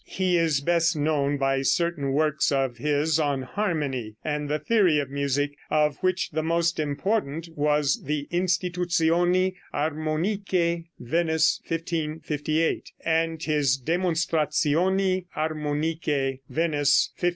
He is best known by certain works of his on harmony and the theory of music, of which the most important was the Institutioni Armoniche (Venice, 1558), and his Demonstrationi Armoniche (Venice, 1571).